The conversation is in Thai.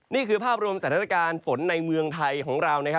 นี่คือภาพรวมสถานการณ์ฝนในเมืองไทยของเรา